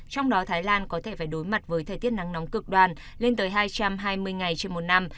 trong đó thái lan có thể phải đối mặt với thời tiết nắng nóng cực đoàn lên tới hai trăm hai mươi ngày trên một năm